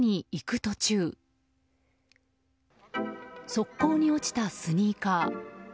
側溝に落ちたスニーカー。